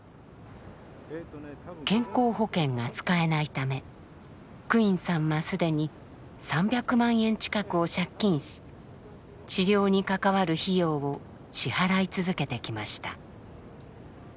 健康保険が使えないためクインさんは既に３００万円近くを借金し治療に関わる費用を支払い続けてきました。